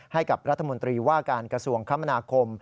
ให้กับรัฐมนตรีว่าการกระทรวงคมนาคม